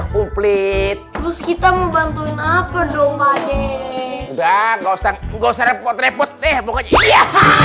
kumplit terus kita membantu ngapa dong pak deh udah goseng goseng repot repot ya